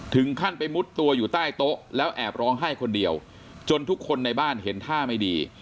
ถึงขั้นไปมุดตัวอยู่ใต้โต๊ะแล้วแอบร้องไห้คนเดียวจนทุกคนในบ้านเห็นท่าไม่ดี